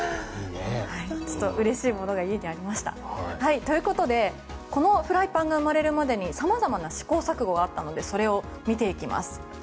うれしいものが家にありました！ということでこのフライパンが生まれる前にさまざまな試行錯誤があったのでそれを見ていきます。